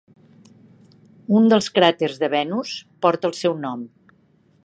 Un dels cràters de Venus porta el seu nom.